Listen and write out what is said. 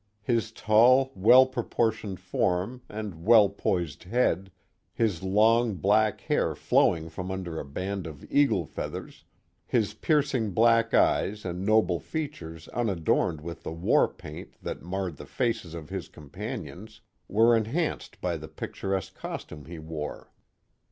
His tall, well proportioned form and well poised head, his long black hair flowing from under a band of eagle feathers, his piercing black eyes and noble features unadorned with the war paint that marred the faces of his companions, were enhanced by the picturesque costume he wore.